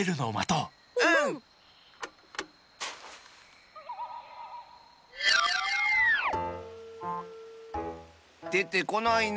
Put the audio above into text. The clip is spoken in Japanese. うん！でてこないね。